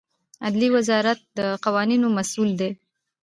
عدلیې وزارت د قوانینو مسوول دی